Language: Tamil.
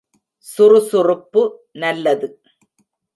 சுறு சுறுப்பு நல்லது.